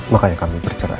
makanya kami bercerai